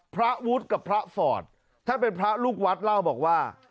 พระวุฒิกับพระฟอร์ตท่านเป็นพระลูกวัดเล่าบอกว่า